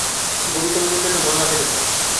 গভীরতম নিদ্রাতেও মন লাফাইতে থাকে।